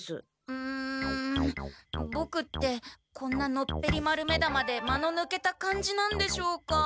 うんボクってこんなのっぺりまるめだまで間のぬけた感じなんでしょうか？